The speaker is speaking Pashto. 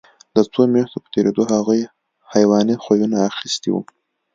د څو میاشتو په تېرېدو هغوی حیواني خویونه اخیستي وو